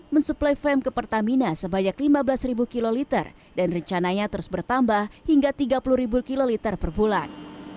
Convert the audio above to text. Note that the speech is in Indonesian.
mensuplai fem ke pertamina sebanyak lima belas kiloliter dan rencananya terus bertambah hingga tiga puluh kiloliter per bulan